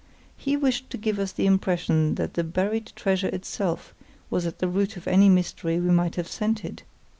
He wished to give us the impression that the buried treasure itself was at the root of any mystery we might have scented.